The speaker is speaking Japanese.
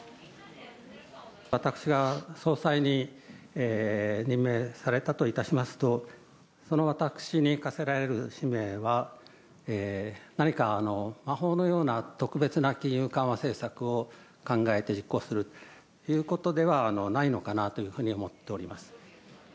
私が総裁に任命されたといたしますと、その私に課せられる使命は、何か魔法のような特別な金融緩和政策を考えて実行するということではないのかなというふうに思っております。